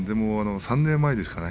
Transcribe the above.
３年前ですかね